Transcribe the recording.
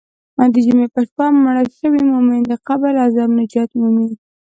د جمعې په شپه مړ شوی مؤمن د قبر له عذابه نجات مومي.